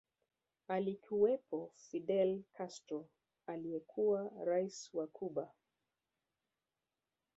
Alikuwepo Fidel Castro aliyekuwa rais wa Cuba